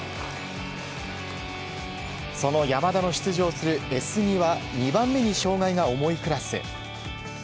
その山田の出場するＳ２は２番目に障害が重いクラス。